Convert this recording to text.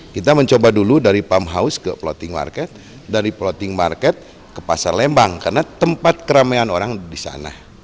kita mencoba dulu dari pump house ke floating market dari floating market ke pasar lembang karena tempat keramaian orang disana